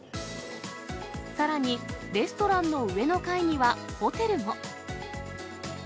さらに、レストランの上の階にはホテルも。